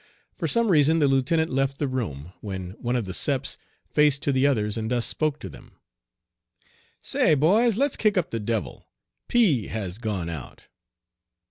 For some reason the lieutenant left the room, when one of the "Seps" faced to the others and thus spoke to them: "Say, boys, let's kick up the devil. P has gone out."